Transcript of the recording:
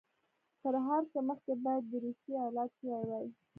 تر هر څه مخکې باید د روسیې علاج شوی وای.